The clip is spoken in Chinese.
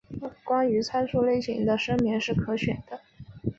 关于参数类型的声明是可选的。